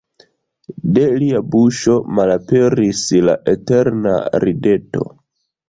De lia buŝo malaperis la eterna rideto.